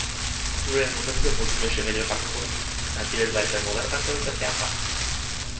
দুপুরের মুখে মুখে মজনু এসে মেজোপাকে বলল, নাজিরের বাড়িতে মজার কাণ্ড হইতাছে আপা।